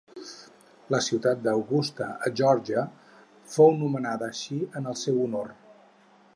La ciutat d'Augusta a Geòrgia fou nomenada així en el seu honor.